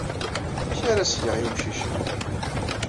Amek ar ad s-geɣ i wemcic-a?